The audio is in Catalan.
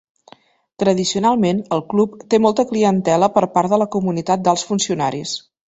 Tradicionalment, el Club té molta clientela per part de la comunitat d'alts funcionaris.